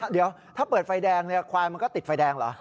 เดี๋ยวถ้าเปิดไฟแดงควายมันก็ติดไฟแดงเหรอ